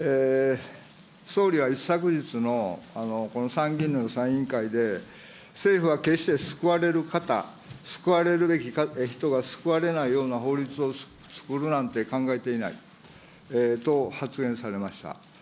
総理は一昨日のこの参議院の予算委員会で、政府は決して救われる方、救われるべき人が救われないような法律をつくるなんて考えていないと発言されました。